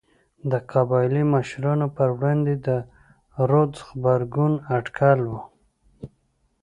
د قبایلي مشرانو پر وړاندې د رودز غبرګون اټکل و.